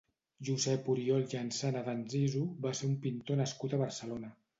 Josep Oriol Jansana d'Anzizu va ser un pintor nascut a Barcelona.